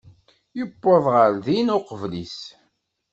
Yuwweḍ ɣer din uqbel-is.